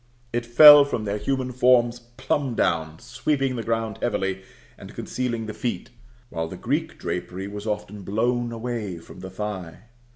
It fell from their human forms plumb down, sweeping the ground heavily, and concealing the feet; while the Greek drapery was often blown away from the thigh.